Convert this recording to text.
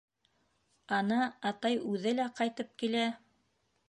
Ана, атай үҙе лә ҡайтып килә!